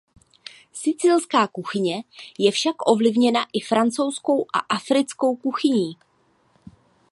Sicilská kuchyně je však ovlivněna i francouzskou a africkou kuchyní.